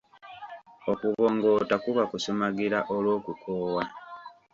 Okubongoota kuba kusumagira olw'okukoowa.